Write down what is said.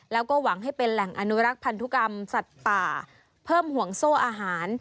แล้วก็หวังให้เป็นแหล่งอนุรักษ์พันธุกรรมสัตว์ป่าเพิ่มห่วงโซ่อาหาร